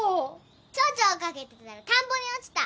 チョウチョ追っ掛けてたら田んぼに落ちた。